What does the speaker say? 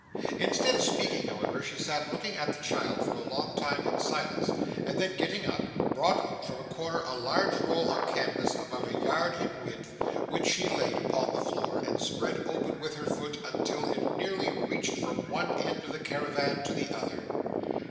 Instead of speaking, however, she sat looking at the child for a long time in silence, and then getting up, brought out from a corner a large roll of canvas about a yard in width, which she laid upon the floor and spread open with her foot until it nearly reached from one end of the caravan to the other.